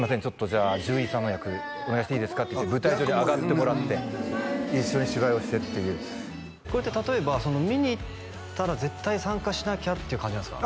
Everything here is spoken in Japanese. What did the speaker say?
「じゃあ獣医さんの役お願いしていいですか」って言って舞台上に上がってもらって一緒に芝居をしてっていうこれって例えば見に行ったら絶対参加しなきゃっていう感じなんですか？